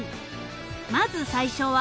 ［まず最初は］